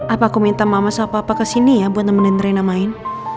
apa aku minta mama sama papa kesini ya buat nemenin rena main